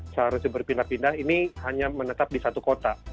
seharusnya berpindah pindah ini hanya menetap di satu kota